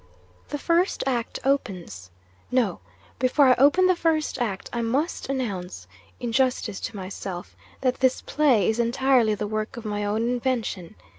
The First Act opens 'No! Before I open the First Act, I must announce, injustice to myself, that this Play is entirely the work of my own invention.